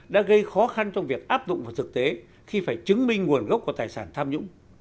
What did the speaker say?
đã gây khó khăn trong việc áp dụng vào thực tế khi phải chứng minh nguồn gốc của tài sản tham nhũng